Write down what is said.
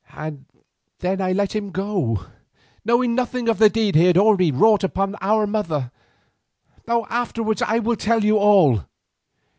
"And then I let him go, knowing nothing of the deed he had already wrought upon our mother. Afterwards I will tell you all."